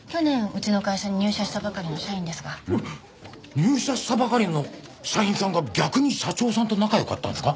入社したばかりの社員さんが逆に社長さんと仲良かったんですか？